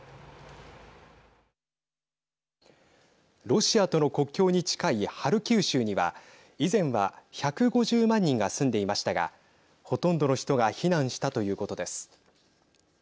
ロシアとの国境に近いハルキウ州には以前は１５０万人が住んでいましたがほとんどの人が避難したということです。